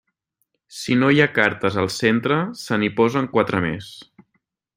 Si no hi ha cartes al centre, se n'hi posen quatre més.